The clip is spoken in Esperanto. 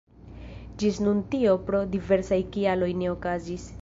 Ĝis nun tio pro diversaj kialoj ne okazis.